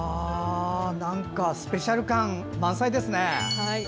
スペシャル感満載ですね。